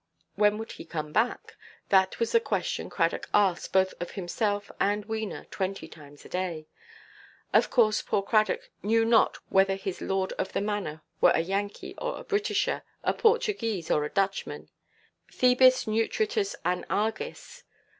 When would he come back? That was the question Cradock asked, both of himself and Wena, twenty times a day. Of course poor Cradock knew not whether his lord of the manor were a Yankee or a Britisher, a Portuguese or a Dutchman; "Thebis nutritus an Argis."